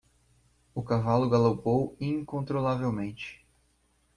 O cavalo galopou incontrolavelmente.